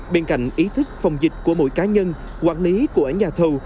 bên cạnh ý thức phòng dịch của mỗi cá nhân quản lý của nhà thầu